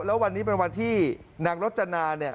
แล้ววันนี้เป็นวันที่นางรจนาเนี่ย